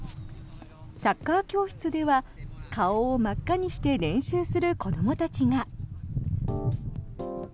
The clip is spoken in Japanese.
サッカー教室では顔を真っ赤にして練習する子どもたちが。